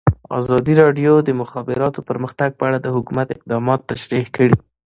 ازادي راډیو د د مخابراتو پرمختګ په اړه د حکومت اقدامات تشریح کړي.